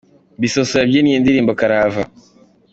Bisoso yabyinnye indirimbo karahava